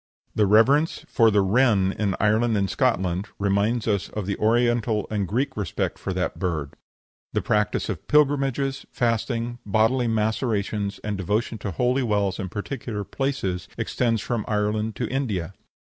The reverence for the wren in Ireland and Scotland reminds us of the Oriental and Greek respect for that bird. The practice of pilgrimages, fasting, bodily macerations, and devotion to holy wells and particular places, extends from Ireland to India.